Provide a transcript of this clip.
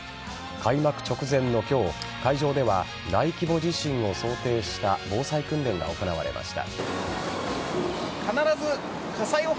開幕直前の今日会場では大規模地震を想定した防災訓練が行われました。